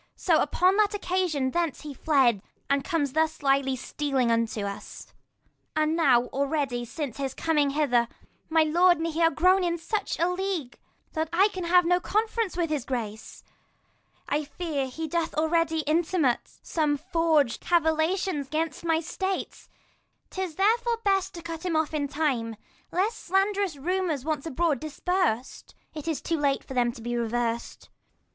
So upon that occasion thence he fled, 3 5 And comes thus slyly stealing unto us : And now already since his coming hither, My lord and he are grown in such a league, That I can have no conference with his grace : I fearTTie doth already intimate 40 Some forged cavillations 'gainst my state : 'Tis therefore best to cut him off in time, Lest slanderous rumours once abroad dispers'd, It is too late for them to be revers'd.